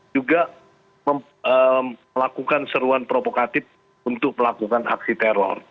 juga melakukan seruan provokatif untuk melakukan aksi teror